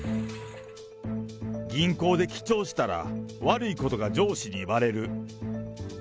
銀行で記帳したら、悪いことが上司にばれる。